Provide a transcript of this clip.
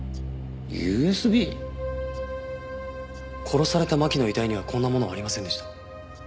殺された巻の遺体にはこんなものはありませんでした。